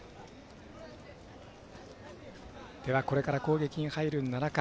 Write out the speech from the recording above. では、これから攻撃に入る７回。